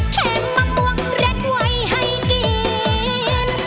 มะม่วงเร็ดไว้ให้กิน